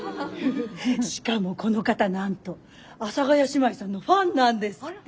しかもこの方なんと阿佐ヶ谷姉妹さんのファンなんですって。